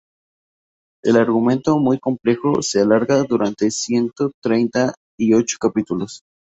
El argumento, muy complejo, se alarga durante ciento treinta y ocho capítulos.